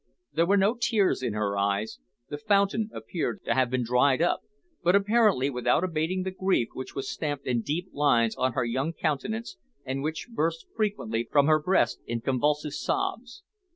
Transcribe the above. There were no tears in her eyes; the fountain appeared to have been dried up, but, apparently, without abating the grief which was stamped in deep lines on her young countenance, and which burst frequently from her breast in convulsive sobs.